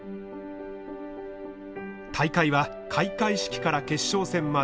大会は開会式から決勝戦まで大入り満員。